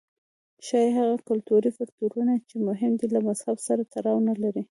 ښايي هغه کلتوري فکټورونه چې مهم دي له مذهب سره تړاو نه لري.